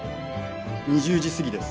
２０時すぎです